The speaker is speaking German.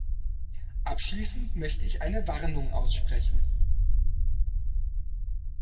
Abschließend möchte ich eine Warnung aussprechen.